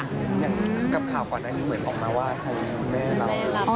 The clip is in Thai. อย่างกับข่าวก่อนหน้านี้เหมือนออกมาว่าทางคุณแม่เรา